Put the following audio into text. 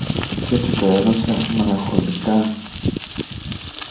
και του το έδωσε μελαγχολικά.